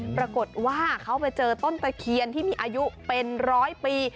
ปรากฏว่าเขาไปเจอต้นตะเคียนที่มีอายุเป็นร้อยปี